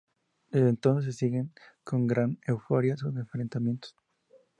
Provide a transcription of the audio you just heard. Desde entonces, se siguen con gran euforia sus enfrentamientos.